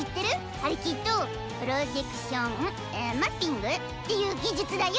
あれきっとプロジェクションえ魔ッピング？っていう技術だよ！